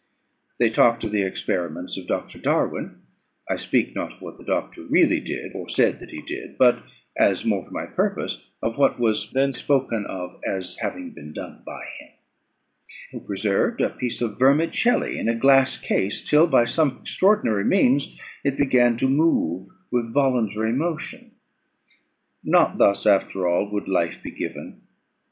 They talked of the experiments of Dr. Darwin, (I speak not of what the Doctor really did, or said that he did, but, as more to my purpose, of what was then spoken of as having been done by him,) who preserved a piece of vermicelli in a glass case, till by some extraordinary means it began to move with voluntary motion. Not thus, after all, would life be given.